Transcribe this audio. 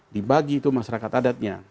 dibagi itu masyarakat adatnya